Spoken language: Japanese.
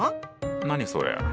何それ？